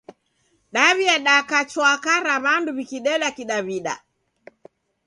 Daw'iadaka chwaka ra w'andu w'ikideda kidaw'ida.